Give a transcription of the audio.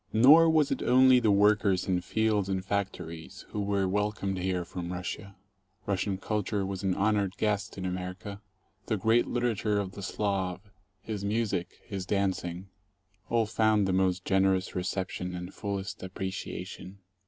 Nor was it only the workers in fields and factories who were welcomed here from Russia. Russian culture was an honored guest in America. The great literature of the Slav, his music, his danc ing — all found the most generous reception and fullest appreciation.